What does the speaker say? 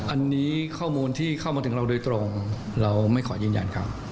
อันนี้ข้อมูลที่เข้ามาถึงเราโดยตรงเราไม่ขอยืนยันครับ